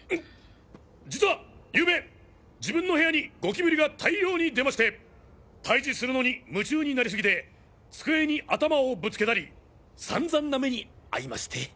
実はゆうべ自分の部屋にゴキブリが大量に出まして退治するのに夢中になりすぎて机に頭をぶつけたり散々な目に遭いまして。